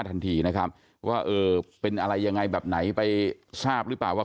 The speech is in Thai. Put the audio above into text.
ทันทีนะครับว่าเออเป็นอะไรยังไงแบบไหนไปทราบหรือเปล่าว่า